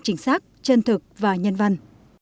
chính xác chân thực và nhân văn